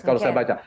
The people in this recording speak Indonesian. kalau saya baca